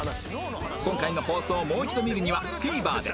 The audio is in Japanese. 今回の放送をもう一度見るには ＴＶｅｒ で